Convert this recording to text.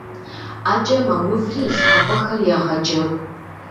Ӏэкӏэ мэуври и лъакъуэхэр егъэджэгу.